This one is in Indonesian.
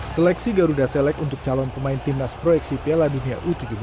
seleksi garuda selek untuk calon pemain timnas proyeksi piala dunia u tujuh belas